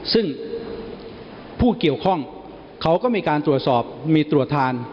ซึ่งผู้เกี่ยวข้องเขาก็มีการตรวจสอบมีตรวจทาน